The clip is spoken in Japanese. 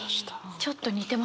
ちょっと似てますね。